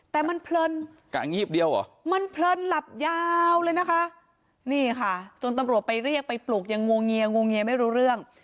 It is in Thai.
แต่มันเพลินมันเพลินหลับยาวเลยนะคะจนตำรวจไปเรียกไปปลูกยังงวงเงียไม่รู้เรื่อง